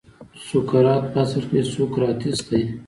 سقراط په اصل کې سوکراتیس دی.